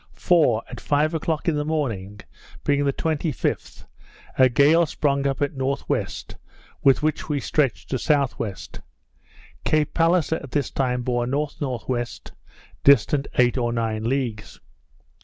For at five o'clock in the morning, being the 25th, a gale sprung up at N.W. with which we stretched to S.W.; Cape Palliser at this time bore N.N.W., distant eight or nine leagues.